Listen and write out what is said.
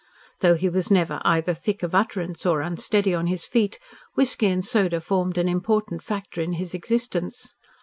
Though he was never either thick of utterance or unsteady on his feet, whisky and soda formed an important factor in his existence.